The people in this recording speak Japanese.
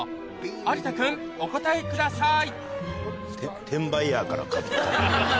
有田君お答えください